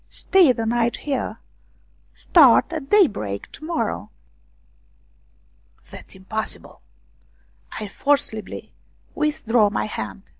Stay the night here : start at daybreak to morrow." " That's impossible." I forcibly withdrew my hand.